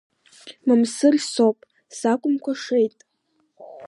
Мамсыр соуп, сакәымкәа шеит!